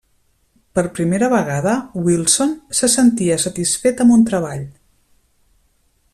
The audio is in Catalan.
Per primera vegada, Wilson se sentia satisfet amb un treball.